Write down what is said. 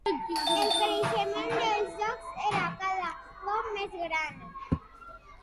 El creixement dels jocs era cada cop més gran.